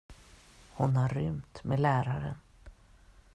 Hon har rymt med läraren.